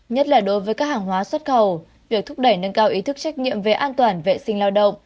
nhất là đối với các hàng hóa xuất khẩu việc thúc đẩy nâng cao ý thức trách nhiệm về an toàn vệ sinh lao động